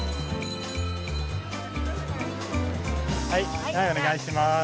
はいお願いします。